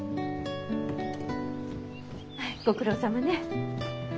ご苦労さまね。